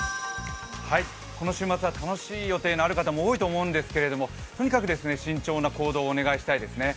この週末は楽しい予定のある方も多いと思うんですが、とにかく慎重な行動をお願いしたいですね。